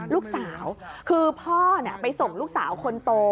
ลูกสาวคือพ่อไปส่งลูกสาวคนโต